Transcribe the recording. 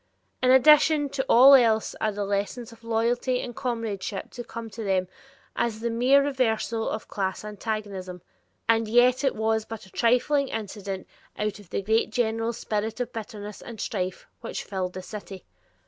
In addition to all else are the lessons of loyalty and comradeship to come to them as the mere reversals of class antagonism? And yet it was but a trifling incident out of the general spirit of bitterness and strife which filled the city.